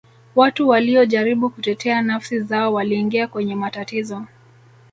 watu waliyojaribu kutetea nafsi zao waliingia kwenye matatizo